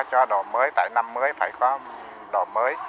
cho đồ mới tại năm mới phải có đồ mới